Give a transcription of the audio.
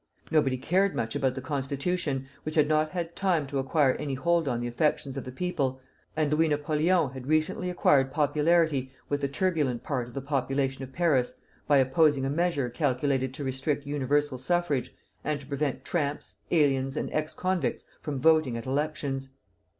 Nobody cared much about the constitution, which had not had time to acquire any hold on the affections of the people, and Louis Napoleon had recently acquired popularity with the turbulent part of the population of Paris by opposing a measure calculated to restrict universal suffrage, and to prevent tramps, aliens, and ex convicts from voting at elections.